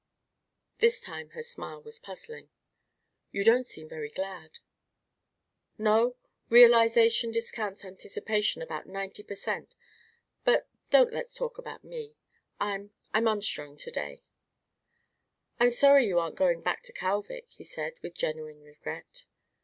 This time her smile was puzzling. "You don't seem very glad!" "No! Realization discounts anticipation about ninety per cent but don't let's talk about me. I I'm unstrung to day." "I'm sorry you aren't going back to Kalvik," he said, with genuine regret.